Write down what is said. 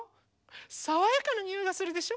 さわやかなにおいがするでしょ。